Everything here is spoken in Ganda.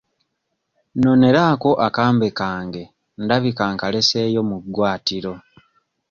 Noneraako akambe kange ndabika nkaleseeyo mu ggwaatiro.